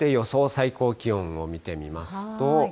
最高気温を見てみますと。